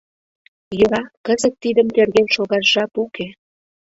Йӧра, кызыт тидым терген шогаш жап уке.